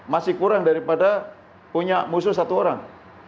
masih kurang daripada punya musuh satu orang